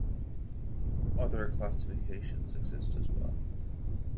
Other classifications exist as well.